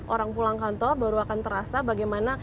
orang pulang kantor baru akan terasa bagaimana